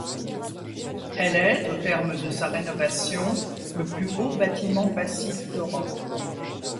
Elle est, au terme de sa rénovation, le plus haut bâtiment passif d'Europe.